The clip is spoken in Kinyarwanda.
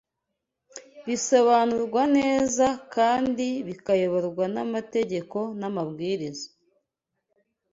bisobanurwa neza kandi bikayoborwa n amategeko n'amabwiriza